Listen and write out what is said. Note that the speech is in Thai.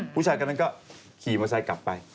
ผู้ชายกันเนี่ยก็ขี่มาใส่กลับไป